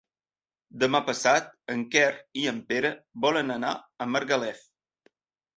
Demà passat en Quer i en Pere volen anar a Margalef.